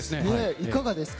いかがですか？